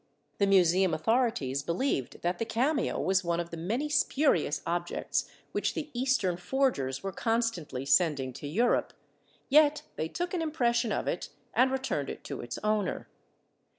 The museum authorities believed that the cameo was one of the many spurious objects which the Eastern forgers were constantly sending to Europe, yet they took an impression of it, and returned it to its owner.